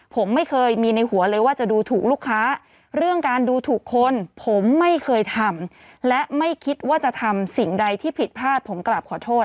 ผมไม่เคยมีในหัวเลยว่าจะดูถูกลูกค้าเรื่องการดูถูกคนผมไม่เคยทำและไม่คิดว่าจะทำสิ่งใดที่ผิดพลาดผมกลับขอโทษ